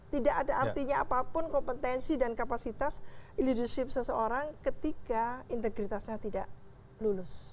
tidak ada artinya apapun kompetensi dan kapasitas leadership seseorang ketika integritasnya tidak lulus